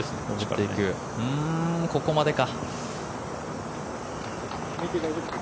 ここまでか。